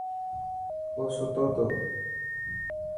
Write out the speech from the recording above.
اوستو تو.